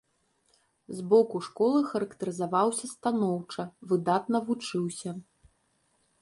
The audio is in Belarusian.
З боку школы характарызаваўся станоўча, выдатна вучыўся.